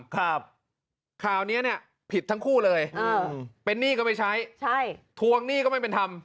ข่าวนี้เนี่ยผิดทั้งคู่เลยเป็นหนี้ก็ไม่ใช้ทวงหนี้ก็ไม่เป็นธรรม